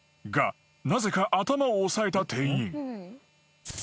［がなぜか頭を押さえた店員］